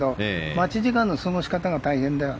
待ち時間の過ごし方が大変だよ。